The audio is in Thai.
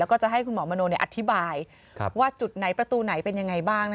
แล้วก็จะให้คุณหมอมโนอธิบายว่าจุดไหนประตูไหนเป็นยังไงบ้าง